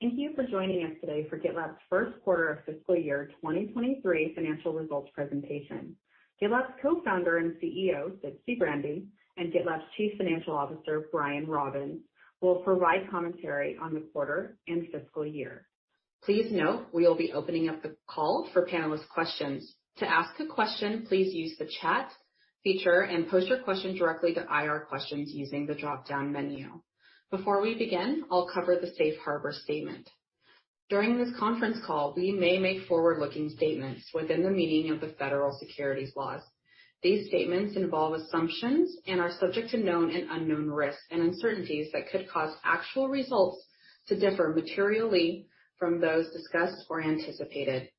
Thank you for joining us today for GitLab's first quarter of fiscal year 2023 financial results presentation. GitLab's Co-founder and CEO, Sid Sijbrandij, and GitLab's Chief Financial Officer, Brian Robbins, will provide commentary on the quarter and fiscal year. Please note we'll be opening up the call for panelist questions. To ask a question, please use the chat feature and post your question directly to IR questions using the dropdown menu. Before we begin, I'll cover the safe harbor statement. During this conference call, we may make forward-looking statements within the meaning of the federal securities laws. These statements involve assumptions and are subject to known and unknown risks and uncertainties that could cause actual results to differ materially from those discussed or anticipated.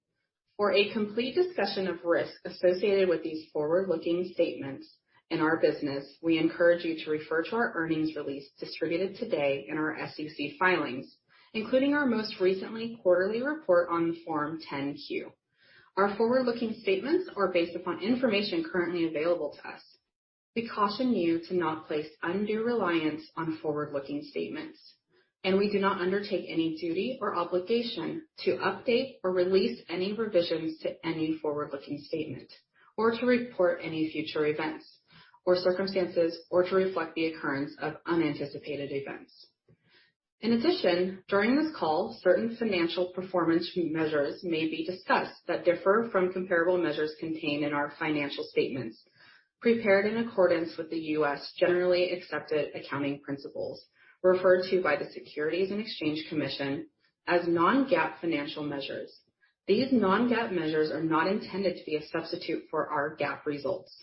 For a complete discussion of risks associated with these forward-looking statements in our business, we encourage you to refer to our earnings release distributed today in our SEC filings, including our most recent quarterly report on Form 10-Q. Our forward-looking statements are based upon information currently available to us. We caution you to not place undue reliance on forward-looking statements, and we do not undertake any duty or obligation to update or release any revisions to any forward-looking statement or to report any future events or circumstances or to reflect the occurrence of unanticipated events. In addition, during this call, certain financial performance measures may be discussed that differ from comparable measures contained in our financial statements prepared in accordance with U.S. generally accepted accounting principles, referred to by the Securities and Exchange Commission as non-GAAP financial measures. These non-GAAP measures are not intended to be a substitute for our GAAP results.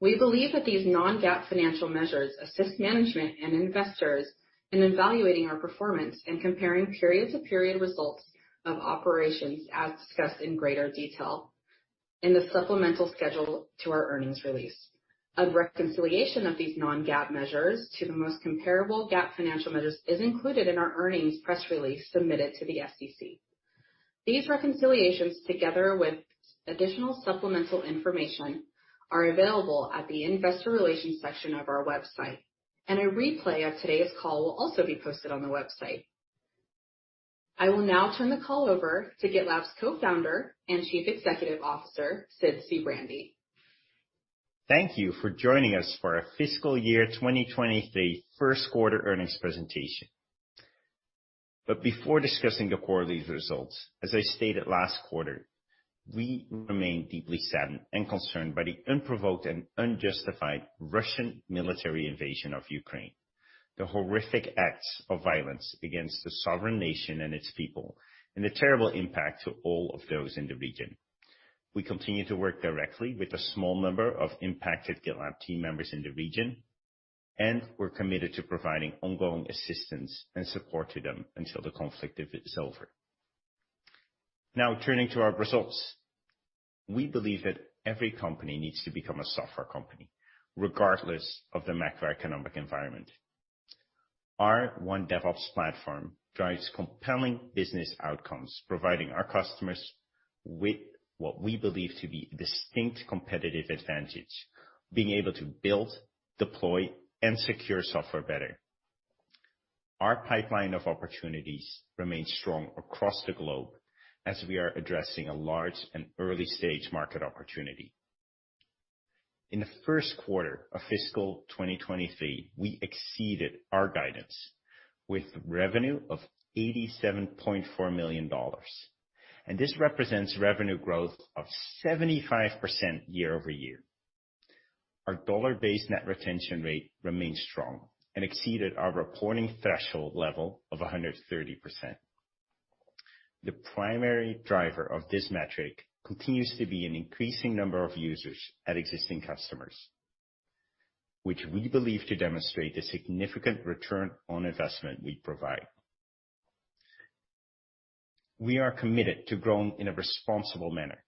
We believe that these non-GAAP financial measures assist management and investors in evaluating our performance and comparing period-over-period results of operations as discussed in greater detail in the supplemental schedule to our earnings release. A reconciliation of these non-GAAP measures to the most comparable GAAP financial measures is included in our earnings press release submitted to the SEC. These reconciliations, together with additional supplemental information, are available at the investor relations section of our website, and a replay of today's call will also be posted on the website. I will now turn the call over to GitLab's Co-founder and Chief Executive Officer, Sid Sijbrandij. Thank you for joining us for our fiscal year 2023 first quarter earnings presentation. Before discussing the quarterly results, as I stated last quarter, we remain deeply saddened and concerned by the unprovoked and unjustified Russian military invasion of Ukraine, the horrific acts of violence against the sovereign nation and its people, and the terrible impact to all of those in the region. We continue to work directly with a small number of impacted GitLab team members in the region, and we're committed to providing ongoing assistance and support to them until the conflict is over. Now turning to our results. We believe that every company needs to become a software company regardless of the macroeconomic environment. Our One DevOps Platform drives compelling business outcomes, providing our customers with what we believe to be distinct competitive advantage, being able to build, deploy, and secure software better. Our pipeline of opportunities remains strong across the globe as we are addressing a large and early-stage market opportunity. In the first quarter of fiscal 2023, we exceeded our guidance with revenue of $87.4 million, and this represents revenue growth of 75% year-over-year. Our dollar-based net retention rate remains strong and exceeded our reporting threshold level of 130%. The primary driver of this metric continues to be an increasing number of users at existing customers, which we believe to demonstrate the significant return on investment we provide. We are committed to growing in a responsible manner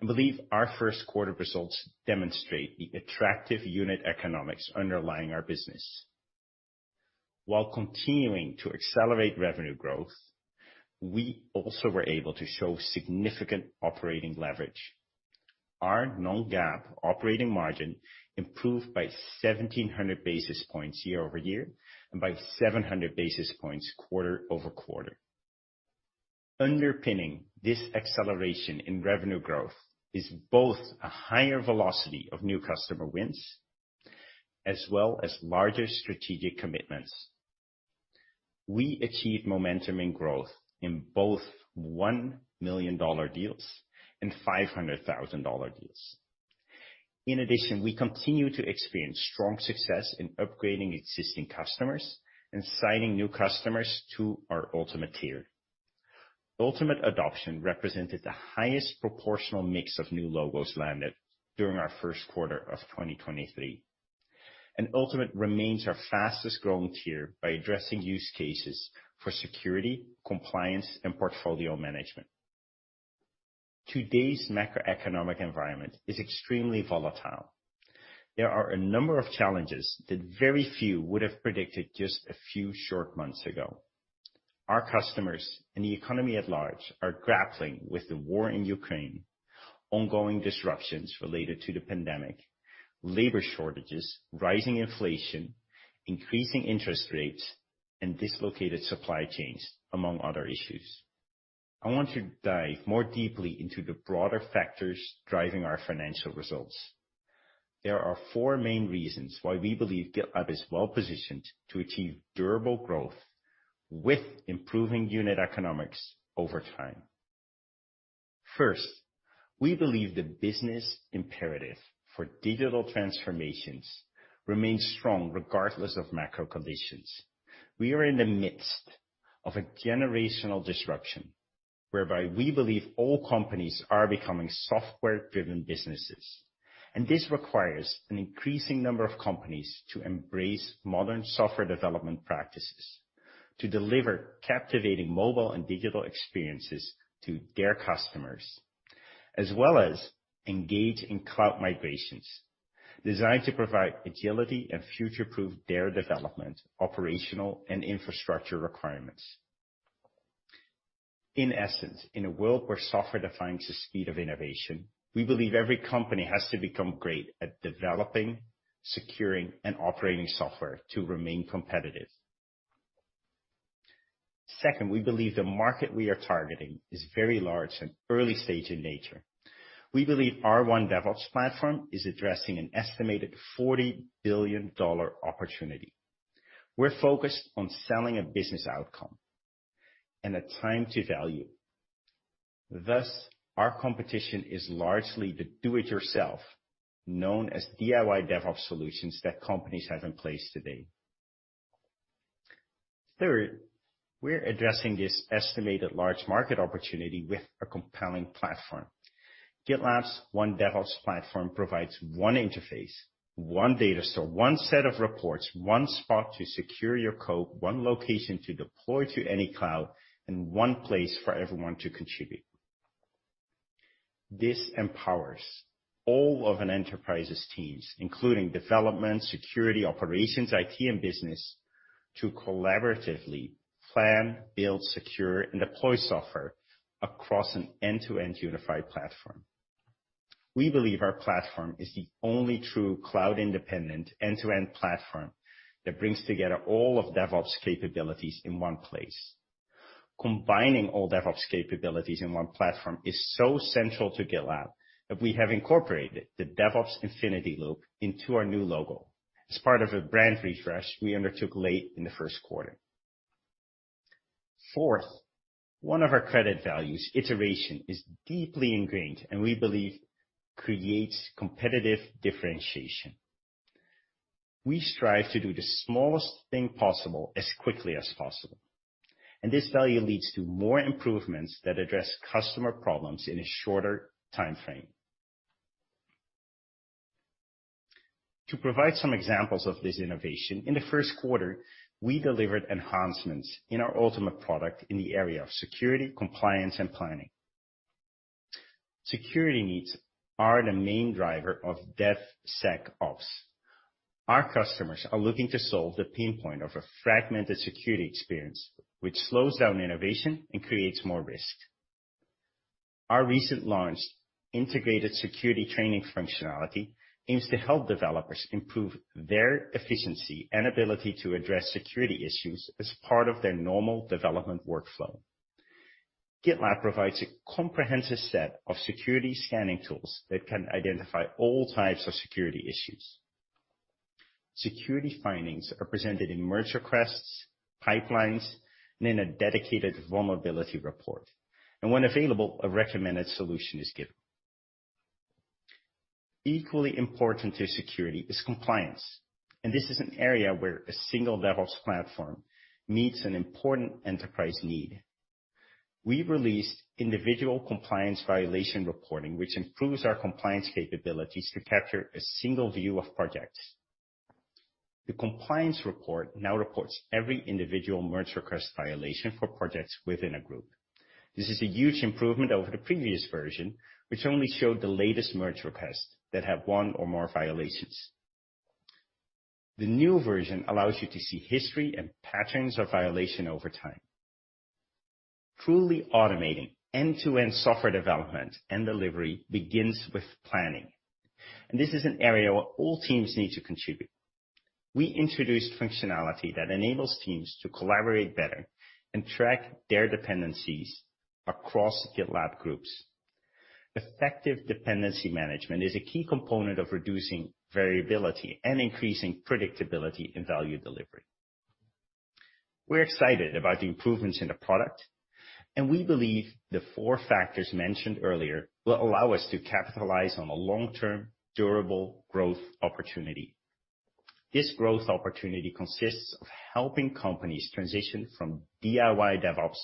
and believe our first quarter results demonstrate the attractive unit economics underlying our business. While continuing to accelerate revenue growth, we also were able to show significant operating leverage. Our non-GAAP operating margin improved by 1,700 basis points year-over-year and by 700 basis points quarter-over-quarter. Underpinning this acceleration in revenue growth is both a higher velocity of new customer wins, as well as larger strategic commitments. We achieved momentum and growth in both $1 million deals and $500,000 deals. In addition, we continue to experience strong success in upgrading existing customers and signing new customers to our Ultimate tier. Ultimate adoption represented the highest proportional mix of new logos landed during our first quarter of 2023, and Ultimate remains our fastest-growing tier by addressing use cases for security, compliance, and portfolio management. Today's macroeconomic environment is extremely volatile. There are a number of challenges that very few would have predicted just a few short months ago. Our customers and the economy at large are grappling with the war in Ukraine, ongoing disruptions related to the pandemic, labor shortages, rising inflation, increasing interest rates, and dislocated supply chains, among other issues. I want to dive more deeply into the broader factors driving our financial results. There are four main reasons why we believe GitLab is well positioned to achieve durable growth with improving unit economics over time. First, we believe the business imperative for digital transformations remains strong regardless of macro conditions. We are in the midst of a generational disruption whereby we believe all companies are becoming software-driven businesses. This requires an increasing number of companies to embrace modern software development practices to deliver captivating mobile and digital experiences to their customers, as well as engage in cloud migrations designed to provide agility and future-proof their development, operational, and infrastructure requirements. In essence, in a world where software defines the speed of innovation, we believe every company has to become great at developing, securing, and operating software to remain competitive. Second, we believe the market we are targeting is very large and early stage in nature. We believe our One DevOps Platform is addressing an estimated $40 billion opportunity. We're focused on selling a business outcome and a time to value. Thus, our competition is largely the do it yourself, known as DIY DevOps solutions that companies have in place today. Third, we're addressing this estimated large market opportunity with a compelling platform. GitLab's One DevOps Platform provides one interface, one data store, one set of reports, one spot to secure your code, one location to deploy to any cloud, and one place for everyone to contribute. This empowers all of an enterprise's teams, including development, security, operations, IT, and business to collaboratively plan, build, secure, and deploy software across an end-to-end unified platform. We believe our platform is the only true cloud independent end-to-end platform that brings together all of DevOps capabilities in one place. Combining all DevOps capabilities in one platform is so central to GitLab that we have incorporated the DevOps infinity loop into our new logo as part of a brand refresh we undertook late in the first quarter. Fourth, one of our core values, iteration, is deeply ingrained, and we believe creates competitive differentiation. We strive to do the smallest thing possible as quickly as possible, and this value leads to more improvements that address customer problems in a shorter timeframe. To provide some examples of this innovation, in the first quarter, we delivered enhancements in our Ultimate product in the area of security, compliance, and planning. Security needs are the main driver of DevSecOps. Our customers are looking to solve the pain point of a fragmented security experience, which slows down innovation and creates more risk. Our recent launch, Integrated Security Training functionality, aims to help developers improve their efficiency and ability to address security issues as part of their normal development workflow. GitLab provides a comprehensive set of security scanning tools that can identify all types of security issues. Security findings are presented in merge requests, pipelines, and in a dedicated vulnerability report. When available, a recommended solution is given. Equally important to security is compliance, and this is an area where a single DevOps platform meets an important enterprise need. We released individual compliance violation reporting, which improves our compliance capabilities to capture a single view of projects. The compliance report now reports every individual merge request violation for projects within a group. This is a huge improvement over the previous version, which only showed the latest merge request that have one or more violations. The new version allows you to see history and patterns of violation over time. Truly automating end-to-end software development and delivery begins with planning, and this is an area where all teams need to contribute. We introduced functionality that enables teams to collaborate better and track their dependencies across GitLab groups. Effective dependency management is a key component of reducing variability and increasing predictability in value delivery. We're excited about the improvements in the product, and we believe the four factors mentioned earlier will allow us to capitalize on a long-term, durable growth opportunity. This growth opportunity consists of helping companies transition from DIY DevOps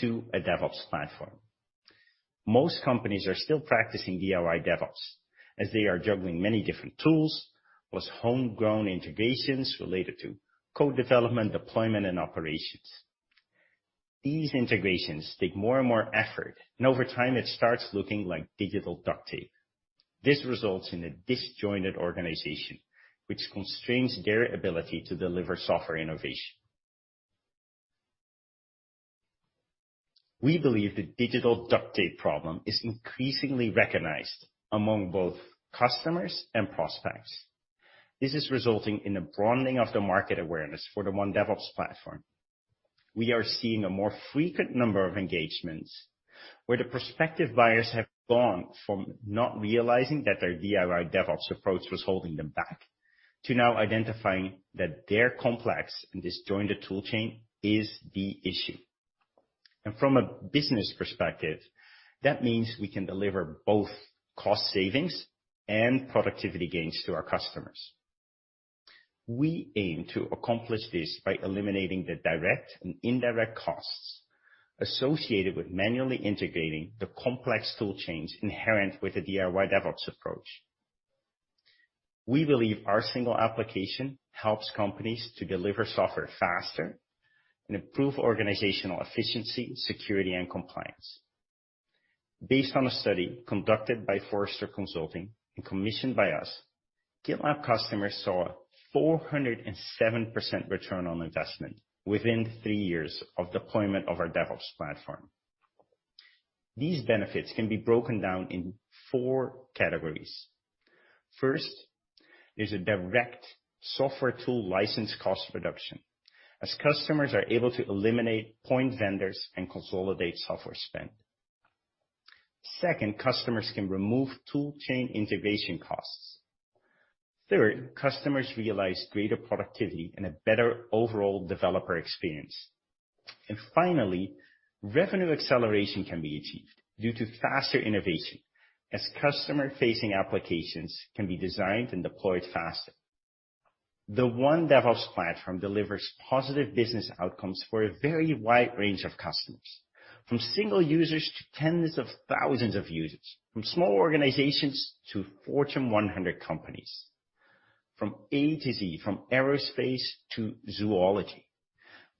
to a DevOps platform. Most companies are still practicing DIY DevOps, as they are juggling many different tools, plus homegrown integrations related to code development, deployment, and operations. These integrations take more and more effort, and over time, it starts looking like digital duct tape. This results in a disjointed organization which constrains their ability to deliver software innovation. We believe the digital duct tape problem is increasingly recognized among both customers and prospects. This is resulting in a broadening of the market awareness for the One DevOps Platform. We are seeing a more frequent number of engagements where the prospective buyers have gone from not realizing that their DIY DevOps approach was holding them back to now identifying that their complex and disjointed tool chain is the issue. From a business perspective, that means we can deliver both cost savings and productivity gains to our customers. We aim to accomplish this by eliminating the direct and indirect costs associated with manually integrating the complex tool chains inherent with a DIY DevOps approach. We believe our single application helps companies to deliver software faster and improve organizational efficiency, security, and compliance. Based on a study conducted by Forrester Consulting and commissioned by us, GitLab customers saw a 407% return on investment within three years of deployment of our DevOps platform. These benefits can be broken down in four categories. First, there's a direct software tool license cost reduction as customers are able to eliminate point vendors and consolidate software spend. Second, customers can remove tool chain integration costs. Third, customers realize greater productivity and a better overall developer experience. Finally, revenue acceleration can be achieved due to faster innovation as customer-facing applications can be designed and deployed faster. The One DevOps Platform delivers positive business outcomes for a very wide range of customers, from single users to tens of thousands of users, from small organizations to Fortune 100 companies, from A to Z, from aerospace to zoology.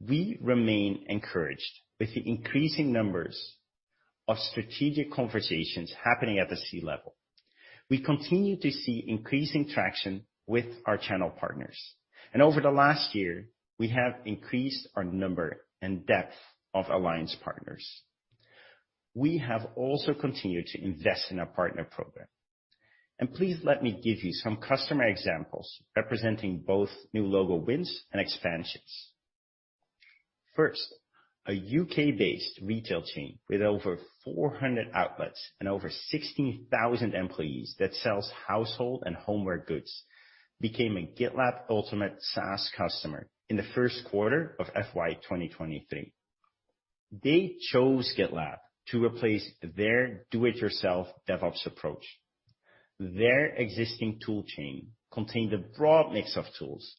We remain encouraged with the increasing numbers of strategic conversations happening at the C-level. We continue to see increasing traction with our channel partners. Over the last year, we have increased our number and depth of alliance partners. We have also continued to invest in our partner program. Please let me give you some customer examples representing both new logo wins and expansions. First, a U.K.-based retail chain with over 400 outlets and over 16,000 employees that sells household and homeware goods became a GitLab Ultimate SaaS customer in the first quarter of FY 2023. They chose GitLab to replace their do it yourself DevOps approach. Their existing tool chain contained a broad mix of tools,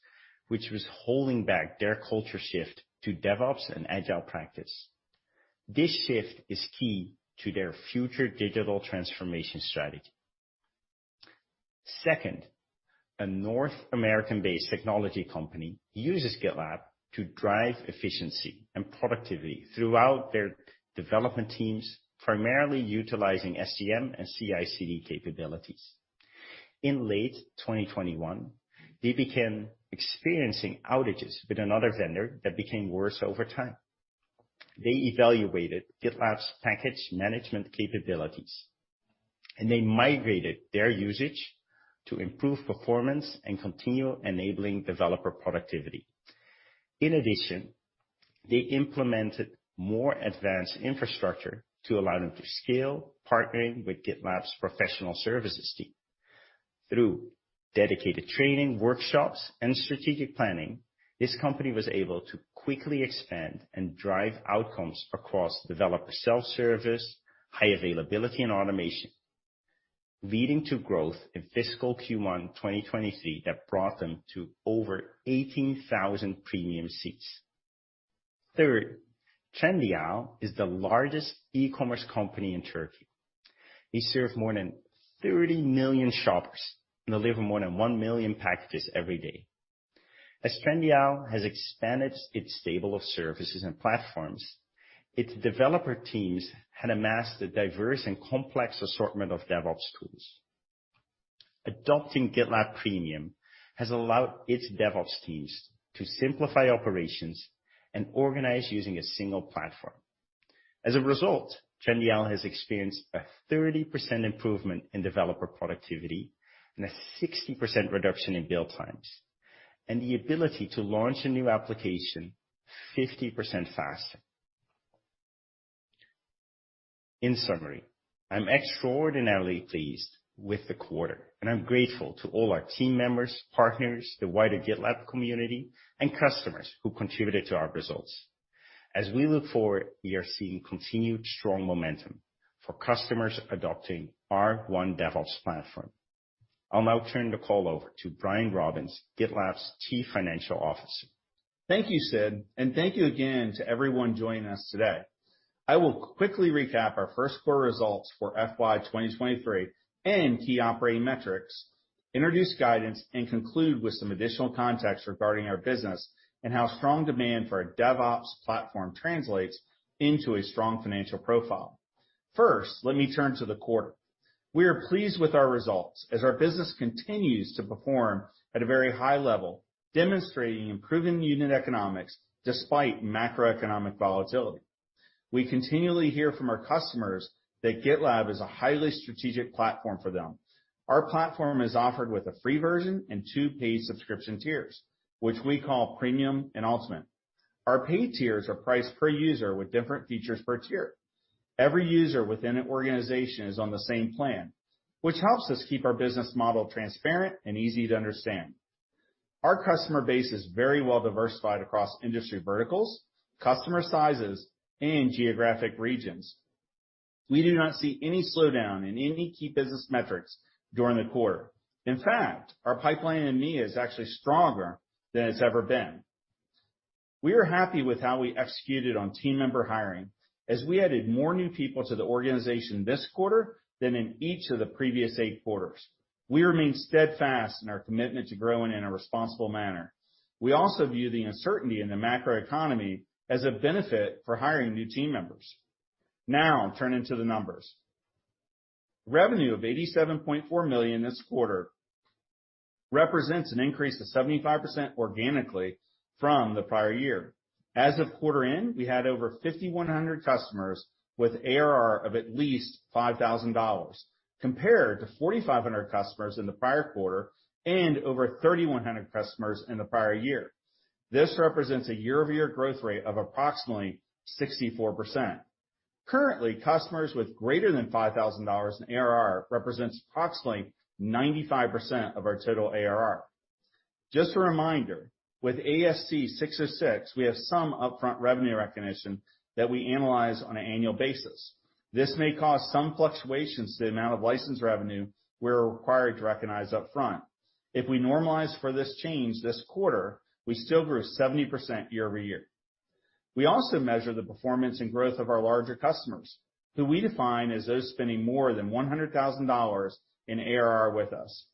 which was holding back their culture shift to DevOps and agile practice. This shift is key to their future digital transformation strategy. Second, a North American-based technology company uses GitLab to drive efficiency and productivity throughout their development teams, primarily utilizing SCM and CI/CD capabilities. In late 2021, they began experiencing outages with another vendor that became worse over time. They evaluated GitLab's package management capabilities, and they migrated their usage to improve performance and continue enabling developer productivity. In addition, they implemented more advanced infrastructure to allow them to scale partnering with GitLab's professional services team. Through dedicated training workshops and strategic planning, this company was able to quickly expand and drive outcomes across developer self-service, high availability, and automation, leading to growth in fiscal Q1 2023 that brought them to over 18,000 Premium seats. Third, Trendyol is the largest e-commerce company in Turkey. They serve more than 30 million shoppers and deliver more than 1 million packages every day. As Trendyol has expanded its stable of services and platforms, its developer teams had amassed a diverse and complex assortment of DevOps tools. Adopting GitLab Premium has allowed its DevOps teams to simplify operations and organize using a single platform. As a result, Trendyol has experienced a 30% improvement in developer productivity and a 60% reduction in build times, and the ability to launch a new application 50% faster. In summary, I'm extraordinarily pleased with the quarter, and I'm grateful to all our team members, partners, the wider GitLab community, and customers who contributed to our results. As we look forward, we are seeing continued strong momentum for customers adopting our One DevOps Platform. I'll now turn the call over to Brian Robbins, GitLab's Chief Financial Officer. Thank you, Sid, and thank you again to everyone joining us today. I will quickly recap our first quarter results for FY 2023 and key operating metrics, introduce guidance and conclude with some additional context regarding our business and how strong demand for our DevOps platform translates into a strong financial profile. First, let me turn to the quarter. We are pleased with our results as our business continues to perform at a very high level, demonstrating improving unit economics despite macroeconomic volatility. We continually hear from our customers that GitLab is a highly strategic platform for them. Our platform is offered with a free version and two paid subscription tiers, which we call Premium and Ultimate. Our paid tiers are priced per user with different features per tier. Every user within an organization is on the same plan, which helps us keep our business model transparent and easy to understand. Our customer base is very well diversified across industry verticals, customer sizes, and geographic regions. We do not see any slowdown in any key business metrics during the quarter. In fact, our pipeline in EMEA is actually stronger than it's ever been. We are happy with how we executed on team member hiring as we added more new people to the organization this quarter than in each of the previous eight quarters. We remain steadfast in our commitment to growing in a responsible manner. We also view the uncertainty in the macro economy as a benefit for hiring new team members. Now turning to the numbers. Revenue of $87.4 million this quarter represents an increase of 75% organically from the prior year. As of quarter end, we had over 5,100 customers with ARR of at least $5,000, compared to 4,500 customers in the prior quarter and over 3,100 customers in the prior year. This represents a year-over-year growth rate of approximately 64%. Currently, customers with greater than $5,000 in ARR represents approximately 95% of our total ARR. Just a reminder, with ASC 606, we have some upfront revenue recognition that we analyze on an annual basis. This may cause some fluctuations to the amount of license revenue we're required to recognize upfront. If we normalize for this change this quarter, we still grew 70% year-over-year. We also measure the performance and growth of our larger customers, who we define as those spending more than $100,000 in ARR with us.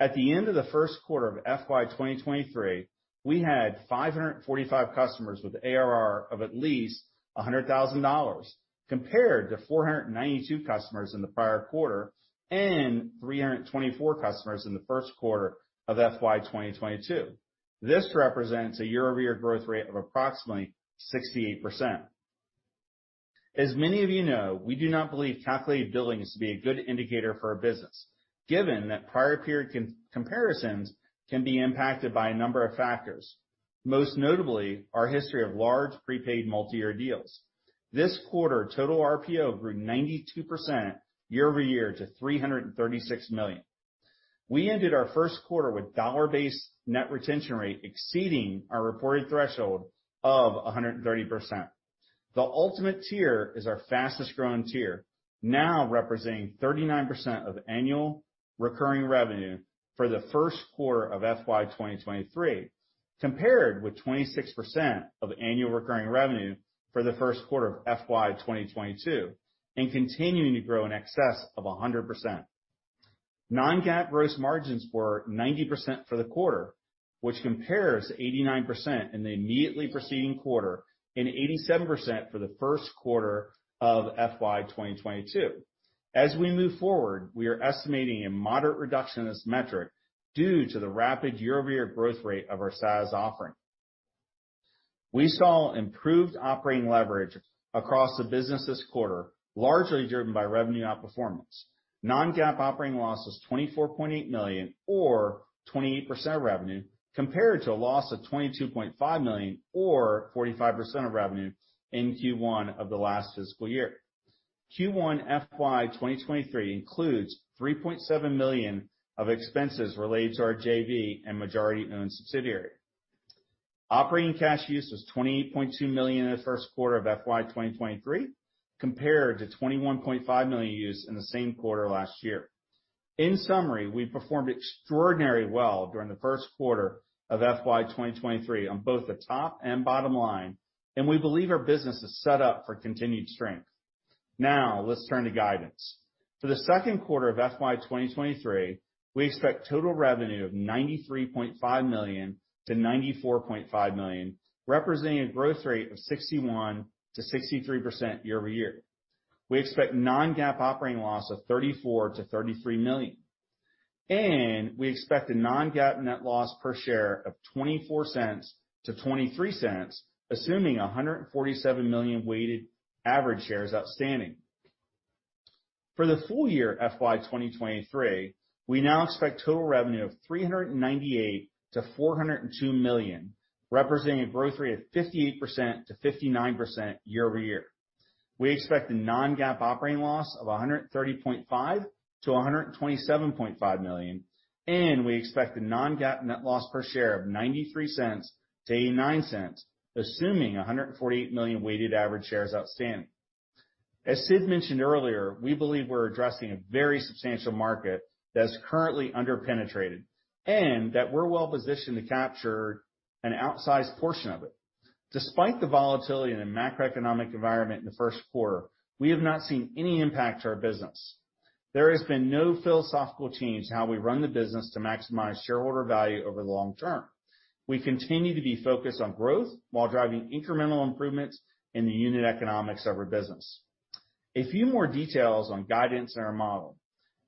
At the end of the first quarter of FY 2023, we had 545 customers with ARR of at least $100,000, compared to 492 customers in the prior quarter and 324 customers in the first quarter of FY 2022. This represents a year-over-year growth rate of approximately 68%. As many of you know, we do not believe calculated billing is to be a good indicator for our business, given that prior period comparisons can be impacted by a number of factors, most notably our history of large prepaid multi-year deals. This quarter, total RPO grew 92% year-over-year to $336 million. We ended our first quarter with dollar-based net retention rate exceeding our reported threshold of 130%. The Ultimate tier is our fastest growing tier, now representing 39% of annual recurring revenue for the first quarter of FY 2023, compared with 26% of annual recurring revenue for the first quarter of FY 2022, and continuing to grow in excess of 100%. non-GAAP gross margins were 90% for the quarter, which compares to 89% in the immediately preceding quarter, and 87% for the first quarter of FY 2022. We are estimating a moderate reduction in this metric due to the rapid year-over-year growth rate of our SaaS offering. We saw improved operating leverage across the business this quarter, largely driven by revenue outperformance. non-GAAP operating loss was $24.8 million or 28% of revenue, compared to a loss of $22.5 million or 45% of revenue in Q1 of the last fiscal year. Q1 FY 2023 includes $3.7 million of expenses related to our JV and majority-owned subsidiary. Operating cash use was $28.2 million in the first quarter of FY 2023, compared to $21.5 million use in the same quarter last year. In summary, we performed extraordinarily well during the first quarter of FY 2023 on both the top and bottom line, and we believe our business is set up for continued strength. Now let's turn to guidance. For the second quarter of FY 2023, we expect total revenue of $93.5 million-$94.5 million, representing a growth rate of 61%-63% year-over-year. We expect non-GAAP operating loss of $34 million-$33 million, and we expect a non-GAAP net loss per share of $0.24-$0.23, assuming 147 million weighted average shares outstanding. For the full year FY 2023, we now expect total revenue of $398 million-$402 million, representing a growth rate of 58%-59% year-over-year. We expect a non-GAAP operating loss of $130.5 million-$127.5 million, and we expect a non-GAAP net loss per share of $0.93-$0.89, assuming 148 million weighted average shares outstanding. As Sid mentioned earlier, we believe we're addressing a very substantial market that's currently under-penetrated, and that we're well positioned to capture an outsized portion of it. Despite the volatility in the macroeconomic environment in the first quarter, we have not seen any impact to our business. There has been no philosophical change in how we run the business to maximize shareholder value over the long term. We continue to be focused on growth while driving incremental improvements in the unit economics of our business. A few more details on guidance in our model.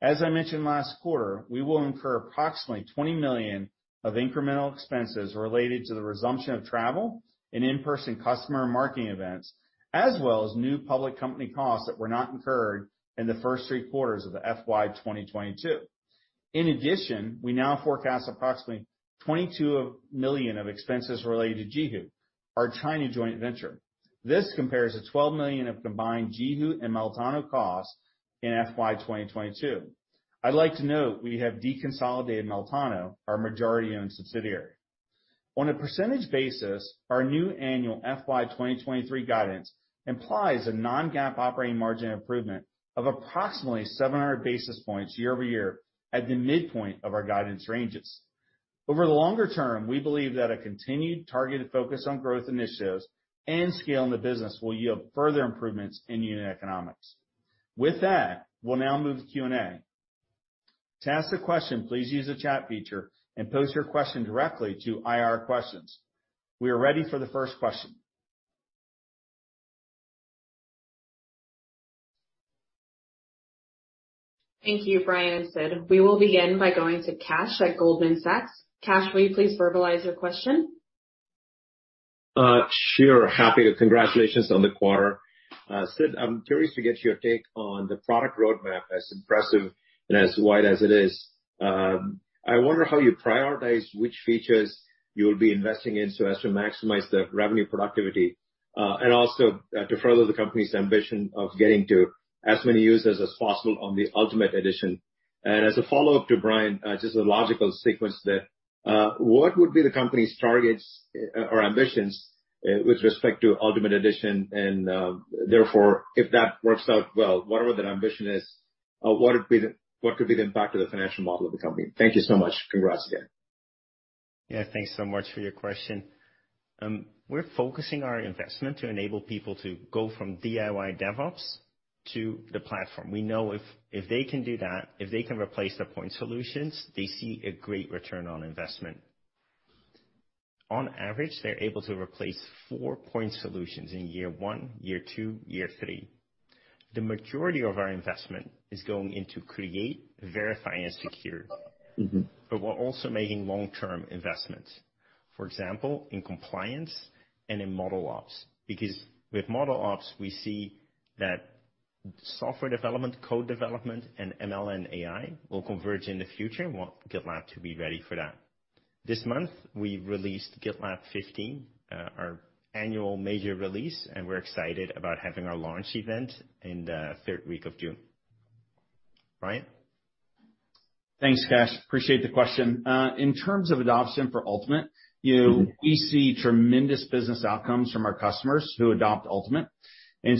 As I mentioned last quarter, we will incur approximately $20 million of incremental expenses related to the resumption of travel and in-person customer and marketing events, as well as new public company costs that were not incurred in the first three quarters of FY 2022. In addition, we now forecast approximately $22 million of expenses related to JiHu, our China joint venture. This compares to $12 million of combined JiHu and Meltano costs in FY 2022. I'd like to note we have deconsolidated Meltano, our majority-owned subsidiary. On a percentage basis, our new annual FY 2023 guidance implies a non-GAAP operating margin improvement of approximately 700 basis points year-over-year at the midpoint of our guidance ranges. Over the longer term, we believe that a continued targeted focus on growth initiatives and scaling the business will yield further improvements in unit economics. With that, we'll now move to Q&A. To ask a question, please use the chat feature and pose your question directly to IR questions. We are ready for the first question. Thank you, Brian and Sid. We will begin by going to Kash at Goldman Sachs. Kash, will you please verbalize your question? Sure. Congratulations on the quarter. Sid, I'm curious to get your take on the product roadmap, as impressive and as wide as it is. I wonder how you prioritize which features you'll be investing in so as to maximize the revenue productivity, and also, to further the company's ambition of getting to as many users as possible on the Ultimate Edition. As a follow-up to Brian, just a logical sequence there, what would be the company's targets or ambitions with respect to Ultimate Edition? Therefore, if that works out well, whatever that ambition is, what could be the impact of the financial model of the company? Thank you so much. Congrats again. Yeah, thanks so much for your question. We're focusing our investment to enable people to go from DIY DevOps to the platform. We know if they can do that, if they can replace their point solutions, they see a great return on investment. On average, they're able to replace four point solutions in year one, year two, year three. The majority of our investment is going into create, verify, and secure. Mm-hmm. We're also making long-term investments, for example, in compliance and in ModelOps. Because with ModelOps, we see that software development, code development, and ML and AI will converge in the future. We want GitLab to be ready for that. This month, we released GitLab 15, our annual major release, and we're excited about having our launch event in the third week of June. Brian? Thanks, Kash. Appreciate the question. In terms of adoption for Ultimate- Mm-hmm. You know, we see tremendous business outcomes from our customers who adopt Ultimate, and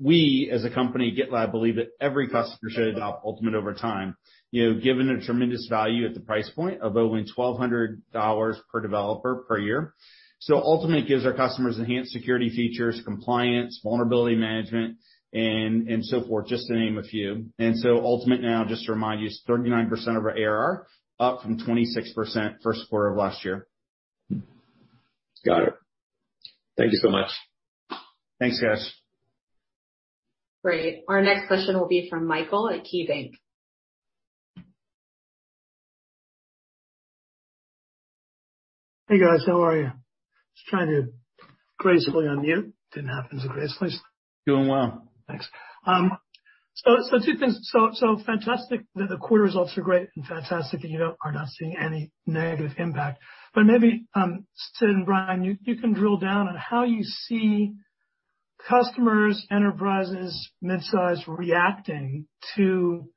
we, as a company, GitLab, believe that every customer should adopt Ultimate over time, you know, given the tremendous value at the price point of only $1,200 per developer per year. Ultimate gives our customers enhanced security features, compliance, vulnerability management, and so forth, just to name a few. Ultimate now, just to remind you, is 39% of our ARR, up from 26% first quarter of last year. Got it. Thank you so much. Thanks, Kash. Great. Our next question will be from Michael at KeyBanc. Hey, guys. How are you? Just trying to gracefully unmute. Didn't happen so gracefully. Doing well. Thanks. Two things. Fantastic that the quarter results are great and fantastic that you are not seeing any negative impact. Maybe Sid and Brian, you can drill down on how you see customers, enterprises, midsize reacting to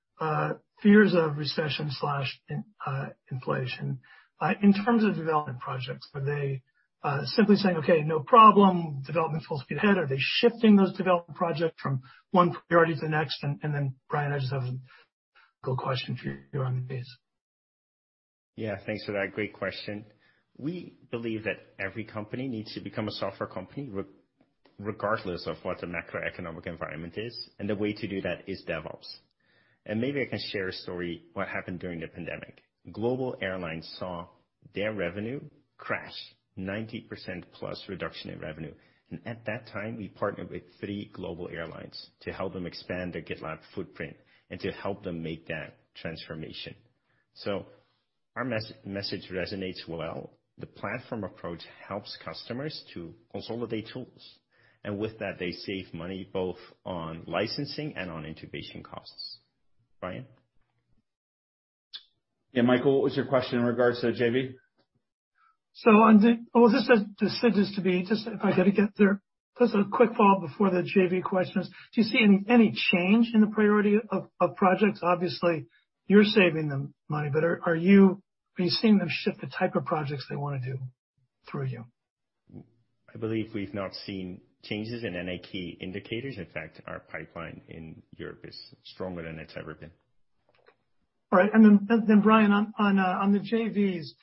fears of recession slash inflation in terms of development projects. Are they simply saying, "Okay, no problem. Development, full speed ahead"? Are they shifting those development projects from one priority to the next? Then Brian, I just have a quick question for you on the base. Yeah. Thanks for that. Great question. We believe that every company needs to become a software company regardless of what the macroeconomic environment is, and the way to do that is DevOps. Maybe I can share a story about what happened during the pandemic. Global airlines saw their revenue crash, 90% plus reduction in revenue. At that time, we partnered with three global airlines to help them expand their GitLab footprint and to help them make that transformation. Our message resonates well. The platform approach helps customers to consolidate tools, and with that, they save money, both on licensing and on integration costs. Brian? Yeah, Michael, what was your question in regards to the JV? Well, this is to Sid, just if I could get there. Just a quick follow-up before the JV questions. Do you see any change in the priority of projects? Obviously, you're saving them money, but are you seeing them shift the type of projects they wanna do through you? I believe we've not seen changes in any key indicators. In fact, our pipeline in Europe is stronger than it's ever been. All right. Brian, on the JVs.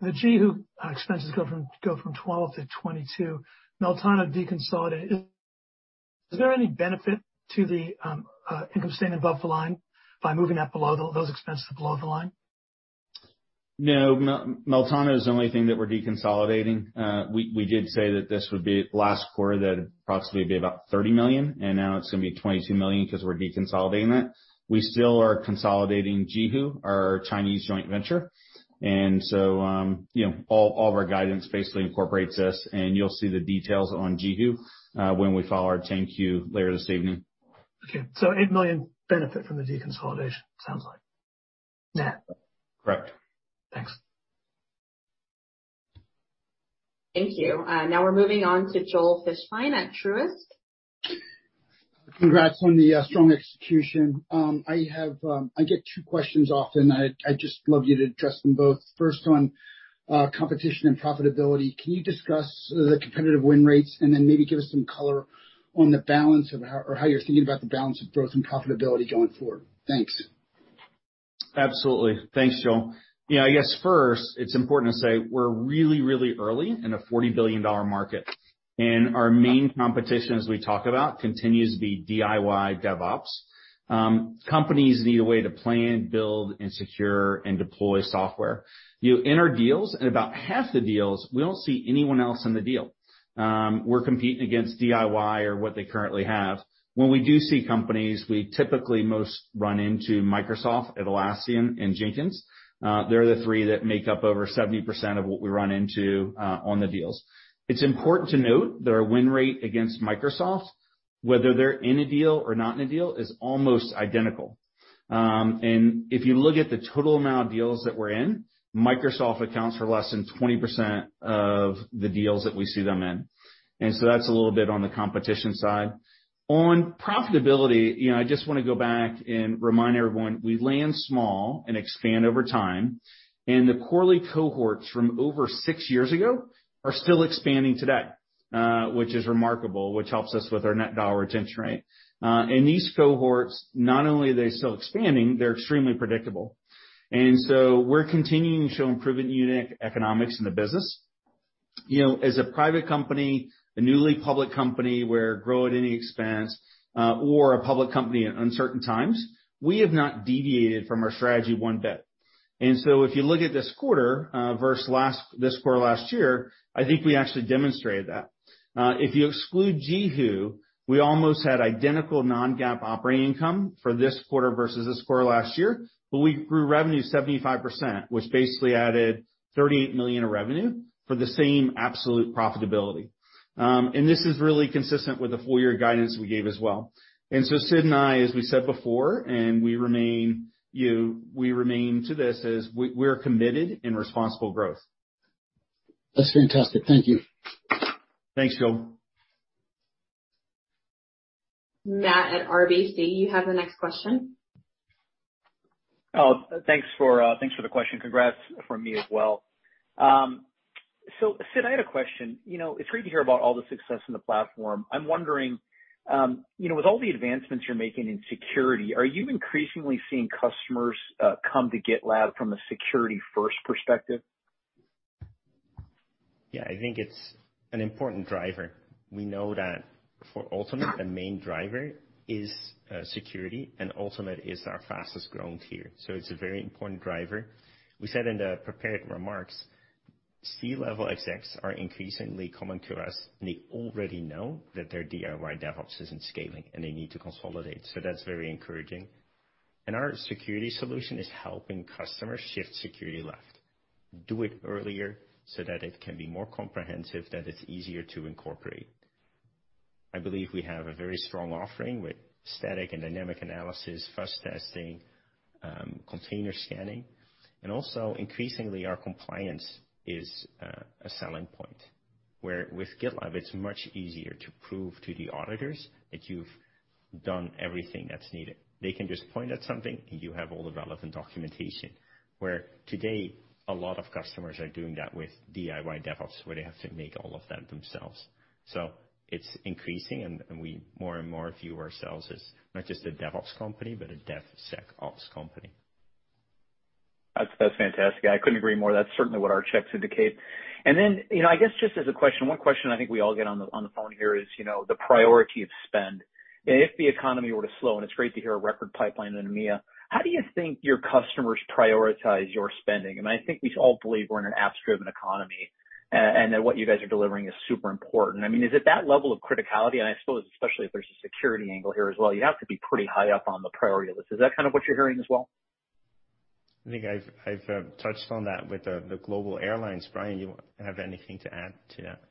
The JiHu expenses go from 12 to 22. Meltano deconsolidated. Is there any benefit to the income staying above the line by moving those expenses below the line? No. Meltano is the only thing that we're deconsolidating. We did say that this would be last quarter that it'd approximately be about $30 million, and now it's gonna be $22 million 'cause we're deconsolidating that. We still are consolidating JiHu, our Chinese joint venture. You know, all of our guidance basically incorporates this and you'll see the details on JiHu when we file our 10-Q later this evening. Okay. $8 million benefit from the deconsolidation, sounds like. Yeah. Correct. Thanks. Thank you. Now we're moving on to Joel Fishbein at Truist. Congrats on the strong execution. I have I get two questions often. I'd just love you to address them both. First, on competition and profitability. Can you discuss the competitive win rates and then maybe give us some color on the balance of how you're thinking about the balance of growth and profitability going forward? Thanks. Absolutely. Thanks, Joel. You know, I guess first it's important to say we're really, really early in a $40 billion market, and our main competition, as we talk about, continues to be DIY DevOps. Companies need a way to plan, build, and secure and deploy software. We enter deals, and about half the deals we don't see anyone else in the deal. We're competing against DIY or what they currently have. When we do see companies, we typically most run into Microsoft, Atlassian, and Jenkins. They're the three that make up over 70% of what we run into on the deals. It's important to note that our win rate against Microsoft, whether they're in a deal or not in a deal, is almost identical. If you look at the total amount of deals that we're in, Microsoft accounts for less than 20% of the deals that we see them in. That's a little bit on the competition side. On profitability, you know, I just wanna go back and remind everyone, we land small and expand over time, and the early cohorts from over six years ago are still expanding today, which is remarkable, which helps us with our net dollar retention rate. These cohorts, not only are they still expanding, they're extremely predictable. We're continuing to show improving unit economics in the business. You know, as a private company, a newly public company, we grew at any expense, or a public company in uncertain times, we have not deviated from our strategy one bit. If you look at this quarter versus last, this quarter last year, I think we actually demonstrated that. If you exclude JiHu, we almost had identical non-GAAP operating income for this quarter versus this quarter last year, but we grew revenue 75%, which basically added $38 million of revenue for the same absolute profitability. This is really consistent with the full year guidance we gave as well. Sid and I, as we said before, remain committed to responsible growth. That's fantastic. Thank you. Thanks, Joel. Matt at RBC, you have the next question. Oh, thanks for the question. Congrats from me as well. Sid, I had a question. You know, it's great to hear about all the success in the platform. I'm wondering, you know, with all the advancements you're making in security, are you increasingly seeing customers come to GitLab from a security first perspective? Yeah. I think it's an important driver. We know that for Ultimate, the main driver is security, and Ultimate is our fastest growing tier, so it's a very important driver. We said in the prepared remarks, C-level execs are increasingly coming to us, and they already know that their DIY DevOps isn't scaling and they need to consolidate, so that's very encouraging. Our security solution is helping customers shift security left. Do it earlier so that it can be more comprehensive, that it's easier to incorporate. I believe we have a very strong offering with static and dynamic analysis, fuzz testing, container scanning, and also increasingly our compliance is a selling point, where with GitLab it's much easier to prove to the auditors that you've done everything that's needed. They can just point at something and you have all the relevant documentation. Where today, a lot of customers are doing that with DIY DevOps, where they have to make all of that themselves. It's increasing and we more and more view ourselves as not just a DevOps company, but a DevSecOps company. That's fantastic. I couldn't agree more. That's certainly what our checks indicate. You know, I guess just as a question, one question I think we all get on the phone here is, you know, the priority of spend. If the economy were to slow, and it's great to hear a record pipeline in EMEA, how do you think your customers prioritize your spending? I think we all believe we're in an apps driven economy and that what you guys are delivering is super important. I mean, is it that level of criticality? I suppose especially if there's a security angle here as well, you have to be pretty high up on the priority list. Is that kind of what you're hearing as well? I think I've touched on that with the global airlines. Brian, you have anything to add to that?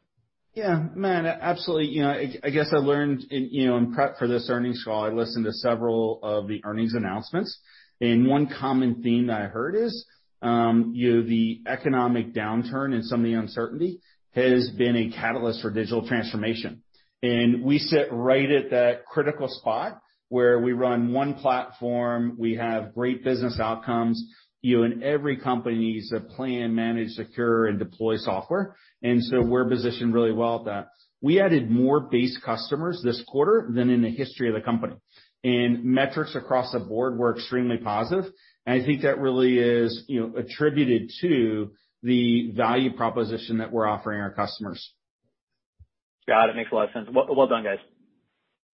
Yeah. Matt, absolutely. You know, I guess I learned in, you know, in prep for this earnings call, I listened to several of the earnings announcements and one common theme that I heard is, you know, the economic downturn and some of the uncertainty has been a catalyst for digital transformation. We sit right at that critical spot where we run one platform, we have great business outcomes, you know, and every company needs to plan, manage, secure, and deploy software. We're positioned really well at that. We added more base customers this quarter than in the history of the company. Metrics across the board were extremely positive, and I think that really is, you know, attributed to the value proposition that we're offering our customers. Got it. Makes a lot of sense. Well done, guys.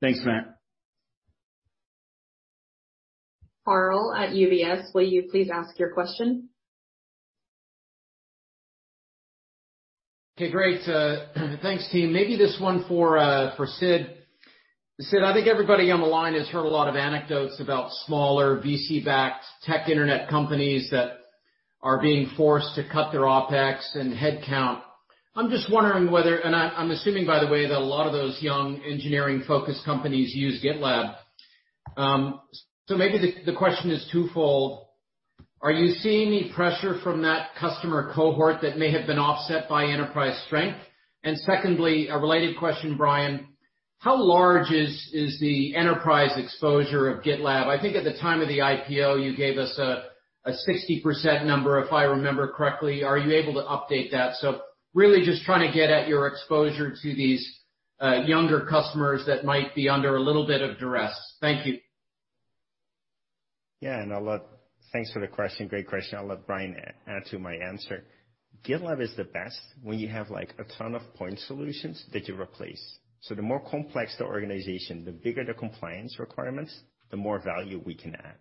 Thanks, Matt. Karl at UBS, will you please ask your question? Okay, great. Thanks, team. Maybe this one for Sid. Sid, I think everybody on the line has heard a lot of anecdotes about smaller VC-backed tech internet companies that are being forced to cut their OpEx and headcount. I'm just wondering. I'm assuming, by the way, that a lot of those young engineering-focused companies use GitLab. Maybe the question is twofold. Are you seeing any pressure from that customer cohort that may have been offset by enterprise strength? Secondly, a related question, Brian, how large is the enterprise exposure of GitLab? I think at the time of the IPO, you gave us a 60% number, if I remember correctly. Are you able to update that? Really just trying to get at your exposure to these, younger customers that might be under a little bit of duress. Thank you. Thanks for the question. Great question. I'll let Brian add to my answer. GitLab is the best when you have, like, a ton of point solutions that you replace. The more complex the organization, the bigger the compliance requirements, the more value we can add.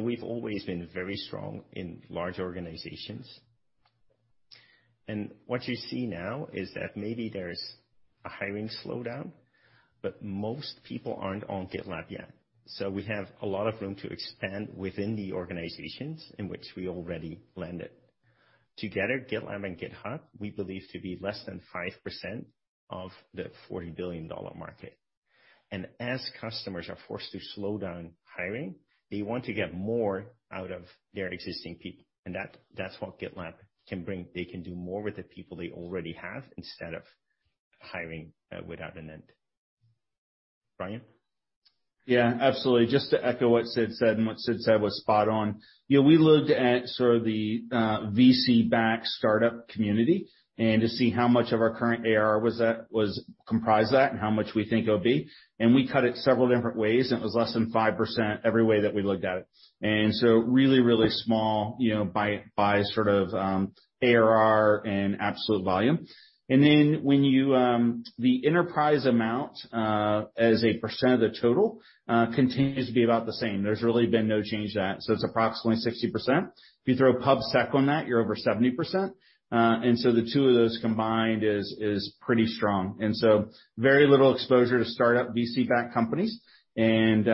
We've always been very strong in large organizations. What you see now is that maybe there's a hiring slowdown, but most people aren't on GitLab yet. We have a lot of room to expand within the organizations in which we already landed. Together, GitLab and GitHub, we believe to be less than 5% of the $40 billion market. As customers are forced to slow down hiring, they want to get more out of their existing people. That's what GitLab can bring. They can do more with the people they already have instead of hiring without end. Brian? Yeah, absolutely. Just to echo what Sid said, and what Sid said was spot on. You know, we looked at sort of the VC-backed startup community, and to see how much of our current ARR was comprised of that, and how much we think it'll be. We cut it several different ways, and it was less than 5% every way that we looked at it. Really, really small, you know, by sort of ARR and absolute volume. The enterprise amount as a percent of the total continues to be about the same. There's really been no change to that. It's approximately 60%. If you throw PubSec on that, you're over 70%. The two of those combined is pretty strong. Very little exposure to startup VC-backed companies and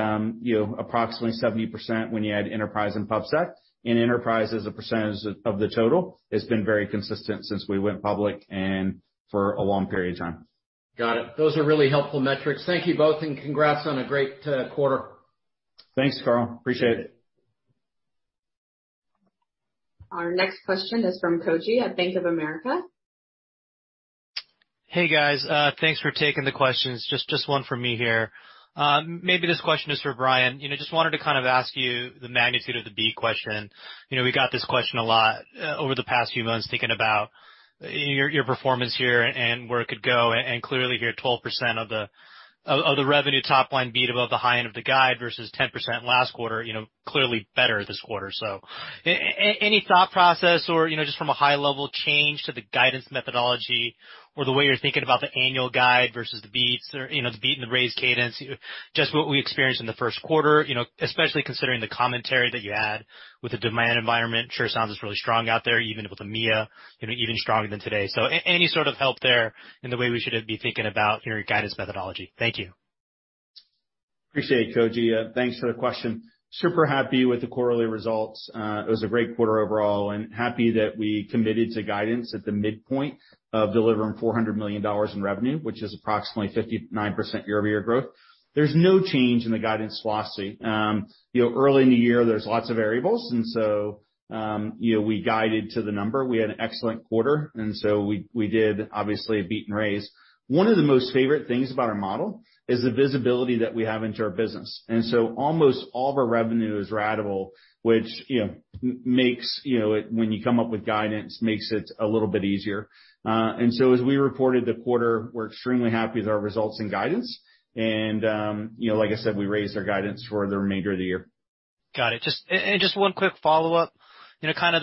approximately 70% when you add enterprise and PubSec. Enterprise as a percentage of the total has been very consistent since we went public, and for a long period of time. Got it. Those are really helpful metrics. Thank you both, and congrats on a great quarter. Thanks, Karl. Appreciate it. Our next question is from Koji at Bank of America. Hey, guys. Thanks for taking the questions. Just one from me here. Maybe this question is for Brian. You know, just wanted to kind of ask you the magnitude of the B question. You know, we got this question a lot over the past few months, thinking about your performance here and where it could go. Clearly here, 12% of the revenue top line beat above the high end of the guide versus 10% last quarter, you know, clearly better this quarter. Any thought process or, you know, just from a high level change to the guidance methodology or the way you're thinking about the annual guide versus the beats or, you know, the beat and the raise cadence, just what we experienced in the first quarter, you know, especially considering the commentary that you had on the demand environment. It sure sounds like it's really strong out there, even in EMEA, you know, even stronger than today. Any sort of help there in the way we should be thinking about your guidance methodology. Thank you. Appreciate it, Koji. Thanks for the question. Super happy with the quarterly results. It was a great quarter overall, and happy that we committed to guidance at the midpoint of delivering $400 million in revenue, which is approximately 59% year-over-year growth. There's no change in the guidance philosophy. You know, early in the year, there's lots of variables and so, you know, we guided to the number. We had an excellent quarter, and so we did obviously a beat and raise. One of the most favorite things about our model is the visibility that we have into our business. Almost all of our revenue is ratable, which, you know, makes you know it, when you come up with guidance, makes it a little bit easier. as we reported the quarter, we're extremely happy with our results and guidance. You know, like I said, we raised our guidance for the remainder of the year. Got it. Just one quick follow-up. You know, kind of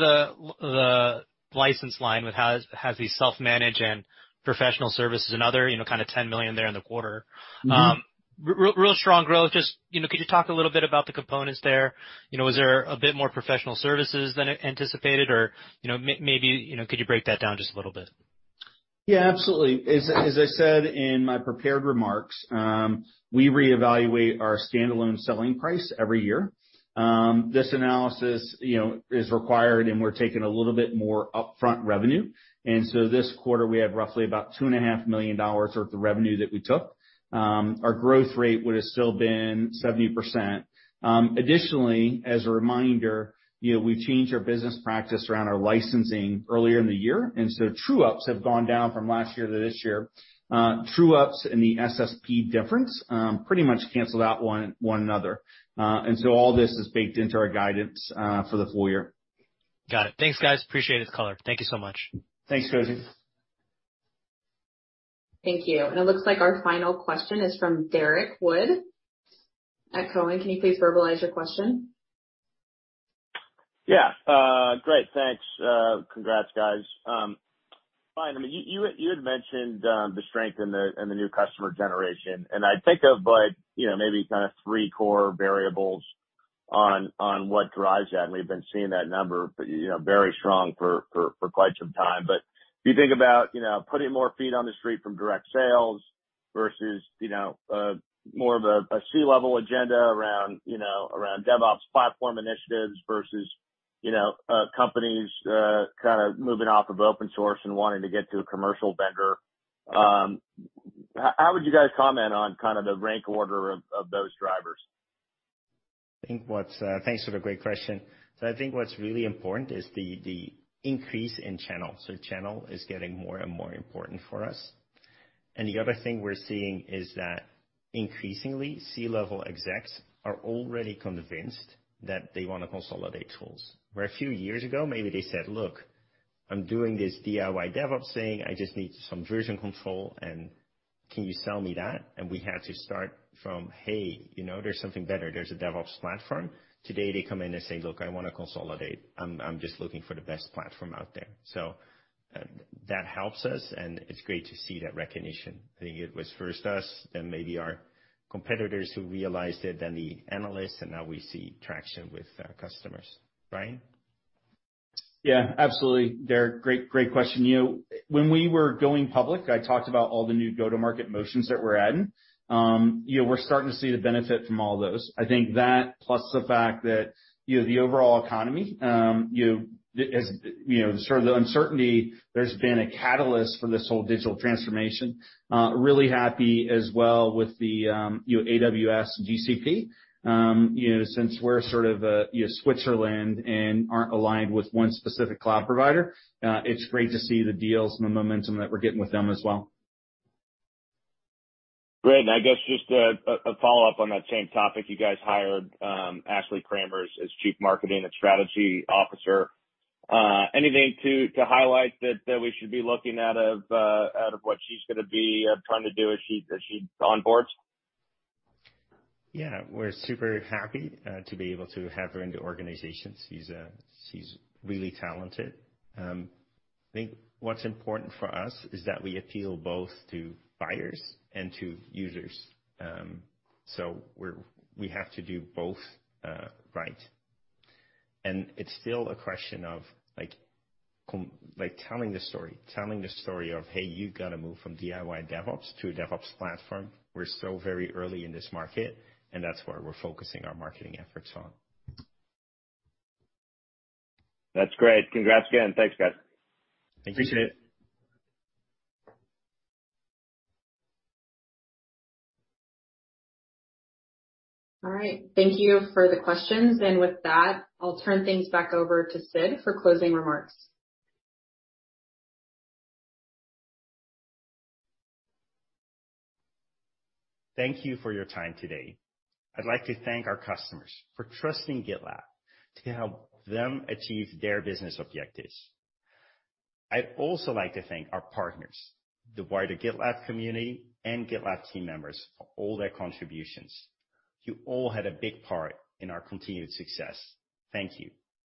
the license line which has the self-managed and professional services and other, you know, kind of $10 million there in the quarter. Mm-hmm. Real strong growth. Just, you know, could you talk a little bit about the components there? You know, was there a bit more professional services than anticipated or, you know, maybe, you know, could you break that down just a little bit? Yeah, absolutely. As I said in my prepared remarks, we reevaluate our standalone selling price every year. This analysis, you know, is required, and we're taking a little bit more upfront revenue. This quarter we had roughly about $2.5 million of the revenue that we took. Our growth rate would have still been 70%. Additionally, as a reminder, you know, we've changed our business practice around our licensing earlier in the year, and so true ups have gone down from last year to this year. True ups in the SSP difference pretty much cancel out one another. All this is baked into our guidance for the full year. Got it. Thanks, guys. Appreciate this color. Thank you so much. Thanks, Koji. Thank you. It looks like our final question is from Derrick Wood at Cowen. Can you please verbalize your question? Yeah. Great, thanks. Congrats guys. Fine. I mean, you had mentioned the strength in the new customer generation, and I think, but you know, maybe kind of three core variables on what drives that, and we've been seeing that number, you know, very strong for quite some time. If you think about, you know, putting more feet on the street from direct sales versus, you know, more of a C-level agenda around DevOps platform initiatives versus, you know, companies kinda moving off of open source and wanting to get to a commercial vendor, how would you guys comment on kind of the rank order of those drivers? Thanks for the great question. I think what's really important is the increase in channel. Channel is getting more and more important for us. The other thing we're seeing is that increasingly, C-level execs are already convinced that they wanna consolidate tools. Where a few years ago, maybe they said, "Look, I'm doing this DIY DevOps thing. I just need some version control and can you sell me that?" We had to start from, "Hey, you know, there's something better. There's a DevOps platform." Today, they come in and say, "Look, I wanna consolidate. I'm just looking for the best platform out there." That helps us, and it's great to see that recognition. I think it was first us, then maybe our competitors who realized it, then the analysts, and now we see traction with customers. Brian? Yeah, absolutely, Derrick. Great question. You know, when we were going public, I talked about all the new go-to-market motions that we're adding. You know, we're starting to see the benefit from all those. I think that plus the fact that, you know, the overall economy, you know, as you know, sort of the uncertainty, there's been a catalyst for this whole digital transformation. Really happy as well with the, you know, AWS, GCP. You know, since we're sort of, you know, Switzerland and aren't aligned with one specific cloud provider, it's great to see the deals and the momentum that we're getting with them as well. Great. I guess just a follow-up on that same topic. You guys hired Ashley Kramer as Chief Marketing and Strategy Officer. Anything to highlight that we should be looking out for what she's gonna be trying to do as she onboards? Yeah. We're super happy to be able to have her in the organization. She's really talented. I think what's important for us is that we appeal both to buyers and to users. So we have to do both, right. It's still a question of, like, telling the story. Telling the story of, hey, you've gotta move from DIY DevOps to a DevOps platform. We're still very early in this market, and that's where we're focusing our marketing efforts on. That's great. Congrats again. Thanks, guys. Thank you. Appreciate it. All right. Thank you for the questions. With that, I'll turn things back over to Sid for closing remarks. Thank you for your time today. I'd like to thank our customers for trusting GitLab to help them achieve their business objectives. I'd also like to thank our partners, the wider GitLab community and GitLab team members for all their contributions. You all had a big part in our continued success. Thank you.